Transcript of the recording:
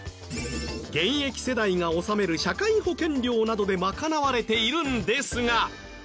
現役世代が納める社会保険料などで賄われているんですが。